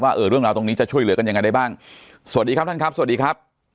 เออเรื่องราวตรงนี้จะช่วยเหลือกันยังไงได้บ้างสวัสดีครับท่านครับสวัสดีครับ